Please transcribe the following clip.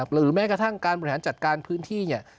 หรือแม้กระทั่งการบริหารจัดการพื้นที่เนี่ย